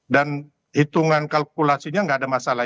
dan hitungan kalkulasinya gak ada masalah